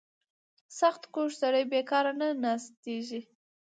• سختکوش سړی بېکاره نه ناستېږي.